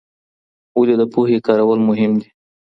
ولي د پوهي کارول مهم دي؟